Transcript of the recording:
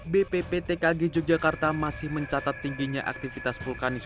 bpptkg yogyakarta masih mencatat tingginya aktivitas vulkanis